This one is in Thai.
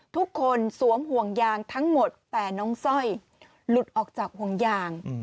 สวมห่วงยางทั้งหมดแต่น้องสร้อยหลุดออกจากห่วงยาง